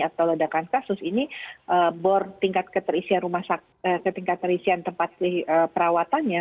atau ledakan kasus ini bor tingkat keterisian rumah sakit tingkat keterisian tempat perawatannya